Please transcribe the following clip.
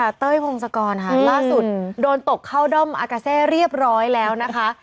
แล้วสุดเดินตกเข้าเดิมอากาโซ่เรียบร้อยแล้วนะคะ